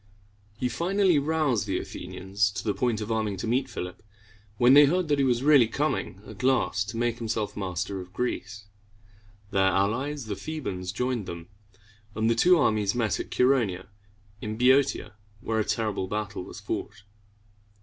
He finally roused the Athenians to the point of arming to meet Philip, when they heard that he was really coming at last to make himself master of Greece. Their allies, the Thebans, joined them; and the two armies met at Chær o ne´a, in Boeotia, where a terrible battle was fought.